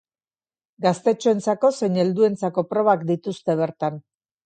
Gaztetxoentzako zein helduentzako probak dituzte bertan.